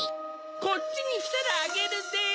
こっちにきたらあげるです。